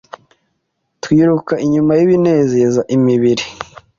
” twiruka inyuma y’ibinezeza imibiri.